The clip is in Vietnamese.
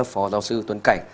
phó giáo sư tuấn cảnh